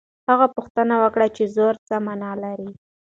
هغه پوښتنه وکړه چې زور څه مانا لري.